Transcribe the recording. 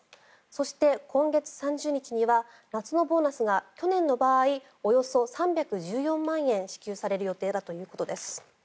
そして、今月３０日には夏のボーナスが去年の場合、およそ３１４万円支給される予定だということです。